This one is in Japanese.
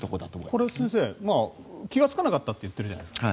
これ気がつかなかったって言ってるじゃないですか。